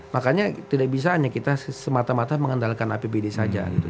makanya tidak bisa hanya kita semata mata mengandalkan apbd saja gitu